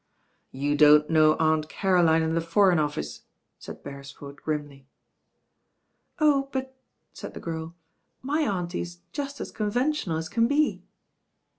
"You don't know Aunt Caroline and the For eign Office," said Bcresford grimly. "Oh 1 but," said the girl, "my auntie's just as con ventional as can be.